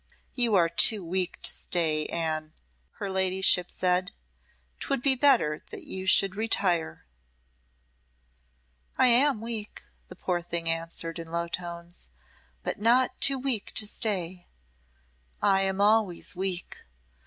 "You are too weak to stay, Anne," her ladyship said. "'Twould be better that you should retire." "I am weak," the poor thing answered, in low tones "but not too weak to stay. I am always weak.